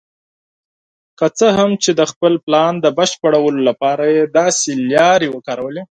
که څه هم چې د خپل پلان د بشپړولو لپاره یې داسې لارې وکارولې.